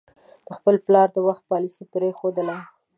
د خپل پلار د وخت پالیسي پرېښودله.